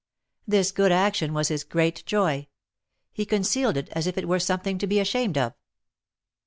This good action was his great joy ; he concealed it as if it were something to be ashamed of.